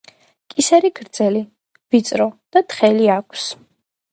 კისერი გრძელი, ვიწრო და თხელი აქვს.